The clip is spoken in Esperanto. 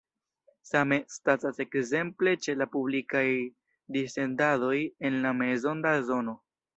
Same statas ekzemple ĉe la publikaj dissendadoj en la mezonda zono.